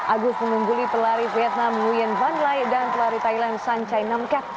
agus mengungguli pelari vietnam nguyen van lai dan pelari thailand san chai nam kek